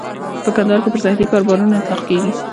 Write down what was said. په کندهار کې پر سرحدي کاروباريانو اطلاق کېږي.